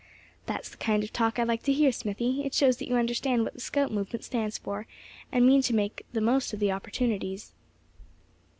"That's the kind of talk I like to hear, Smithy; it shows that you understand what the scout movement stands for; and mean to make the most of the opportunities."